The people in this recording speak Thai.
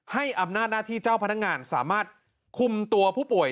ให้อำนาจหน้าที่เจ้าพนักงานสามารถคุมตัวผู้ป่วย